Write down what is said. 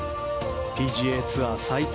ＰＧＡツアー最多